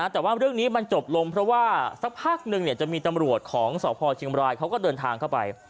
แต่ว่าเรื่องนี้มันจบลงเพราะว่าสักพักนึงจะมีตำรวจของสพเชียงบรายเขาก็เดินทางเข้าไป